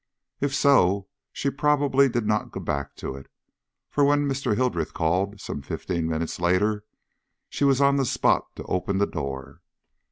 If so, she probably did not go back to it, for when Mr. Hildreth called, some fifteen minutes later, she was on the spot to open the door.